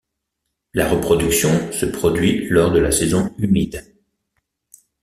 La reproduction se produit lors de la saison humide.